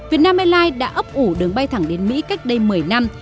việt nam airlines đã ấp ủ đường bay thẳng đến mỹ cách đây một mươi năm